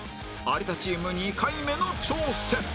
有田チーム２回目の挑戦